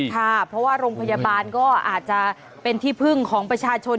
ค่ะเพราะว่าโรงพยาบาลก็อาจจะเป็นที่พึ่งของประชาชน